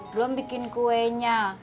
belom bikin kuenya